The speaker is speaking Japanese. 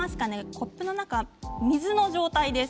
コップの中、水の状態です。